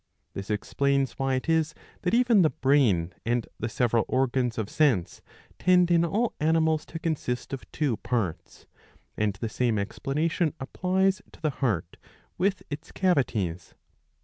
This explains why it is that even the brain and the several organs of sense tend in all animals to consist of two parts ; and the same explanation applies to the heart with its cavities.